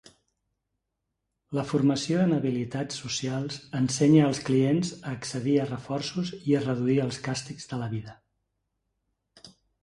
La formació en habilitats socials ensenya als clients a accedir a reforços i a reduir els càstigs de la vida.